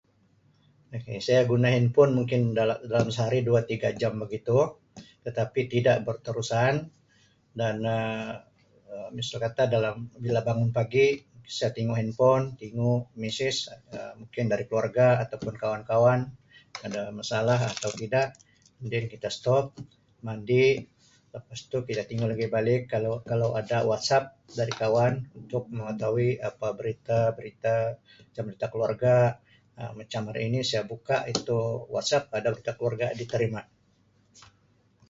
Ok saya guna handphone mungkin dal-dalam sehari dua tiga jam begitu tetapi tidak berterusan dan Um misal kata dalam bila bangun pagi saya tengok handphone tengok mesej mungkin dari keluarga atau pun kawan-kawan ada masalah atau tidak kemudian kita stop mandi lepas tu kita tingu lagi balik kalau kalau ada wasap dari kawan untuk mengetahui apa berita berita macam berita keluarga Um macam hari ni saya buka itu wasap ada berita keluarga diterima.